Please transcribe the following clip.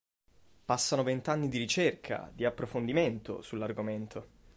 Passano vent’anni di ricerca, di approfondimento, sull’argomento.